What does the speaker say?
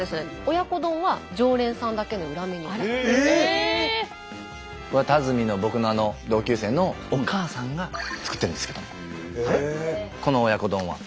親子丼は田隅の僕の同級生のお母さんが作ってるんですけどこの親子丼は。